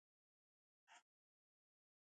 اوښ د افغانستان د فرهنګي فستیوالونو برخه ده.